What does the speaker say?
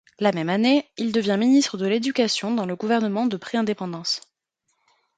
La même année, il devient ministre de l'éducation dans le gouvernement de pré-indépendance.